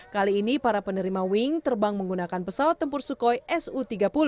kali ini para penerima wing terbang menggunakan pesawat tempur sukhoi su tiga puluh